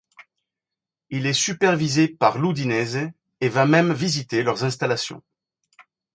Il est supervisé par l'Udinese et va même visiter leurs installations.